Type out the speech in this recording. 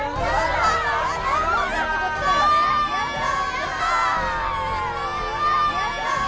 やった！